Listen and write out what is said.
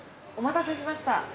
お待たせしました。